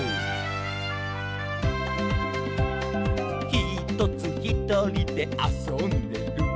「ひとつひとりであそんでる」